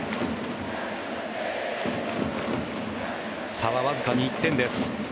差はわずかに１点です。